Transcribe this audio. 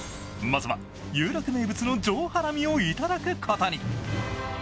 まずは有楽名物の上ハラミをいただくことに。